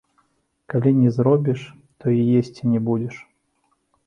Калі не заробіш, то і есці не будзеш.